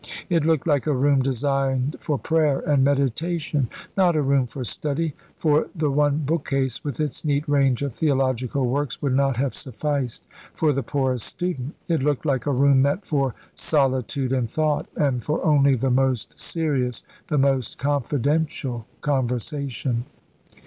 It looked like a room designed for prayer and meditation; not a room for study, for the one bookcase, with its neat range of theological works, would not have sufficed for the poorest student. It looked like a room meant for solitude and thought, and for only the most serious, the most confidential conversation.